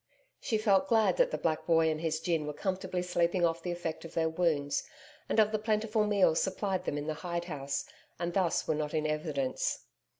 She felt glad that the black boy and his gin were comfortably sleeping off the effect of their wounds, and of the plentiful meals supplied them in the hide house, and thus were not in evidence.